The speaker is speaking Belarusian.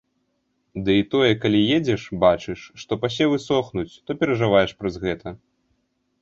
Ды і тое, калі едзеш, бачыш, што пасевы сохнуць, то перажываеш праз гэта.